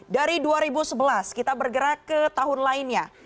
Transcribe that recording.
dari dua ribu sebelas kita bergerak ke tahun lainnya